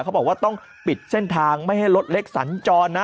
เขาบอกว่าต้องปิดเส้นทางไม่ให้รถเล็กสัญจรนะ